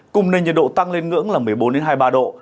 cùng nền nhiệt độ tăng lên ngưỡng là một mươi bốn hai mươi ba độ